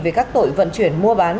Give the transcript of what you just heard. về các tội vận chuyển mua bán